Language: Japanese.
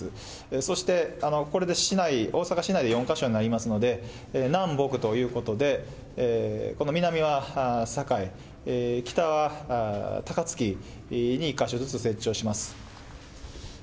そしてこれで市内、大阪市内で４か所になりますので、南北ということで、この南は堺、北は高槻に１か所ずつ設置をします。